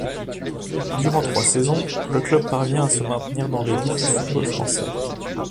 Durant trois saisons le club parvient à se maintenir dans l'élite du football français.